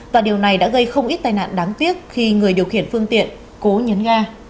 và điều này đã gây không ít tai nạn đáng tiếc khi người điều khiển phương tiện cố nhấn ga